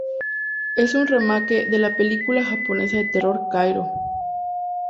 Es un remake de la película japonesa de terror "Kairo".